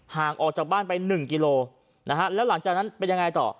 ห่างออกจากบ้านไป๑กิโลนะฮะแล้วหลังจากนั้นเป็นยังไงต่อ